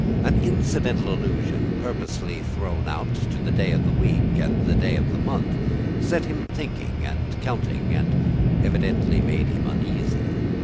An incidental allusion, purposely thrown out, to the day of the week, and the day of the month, set him thinking and counting, and evidently made him uneasy.